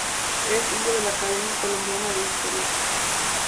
Es miembro de la Academia Colombiana de Historia.